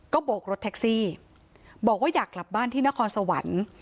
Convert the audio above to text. โบกรถแท็กซี่บอกว่าอยากกลับบ้านที่นครสวรรค์